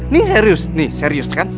ini serius nih serius kan